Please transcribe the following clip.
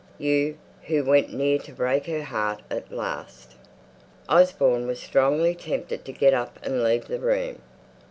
You, who went near to break her heart at last!" Osborne was strongly tempted to get up and leave the room.